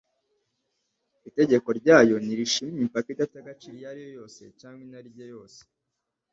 Itegeko ryayo ntirishima imipaka idafite agaciro iyo ari yo yose cyangwa inarijye yose.